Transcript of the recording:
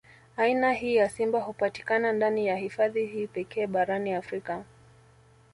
Aina hii ya simba hupatikana ndani ya hifadhi hii pekee barani Afrika